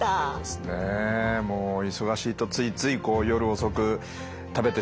もう忙しいとついつい夜遅く食べてしまったりと。